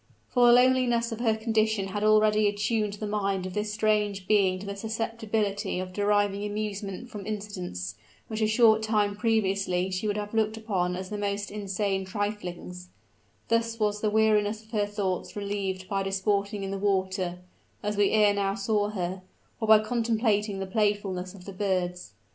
For the loneliness of her condition had already attuned the mind of this strange being to a susceptibility of deriving amusement from incidents which a short time previously she would have looked upon as the most insane triflings; thus was the weariness of her thoughts relieved by disporting in the water, as we ere now saw her, or by contemplating the playfulness of the birds.